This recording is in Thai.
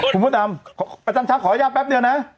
คุณผู้ตำประชักขออนุญาตแป๊บหนึ่งนะ